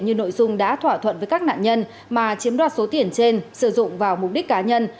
như nội dung đã thỏa thuận với các nạn nhân mà chiếm đoạt số tiền trên sử dụng vào mục đích cá nhân